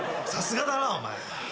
さすがだなお前。